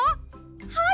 はい！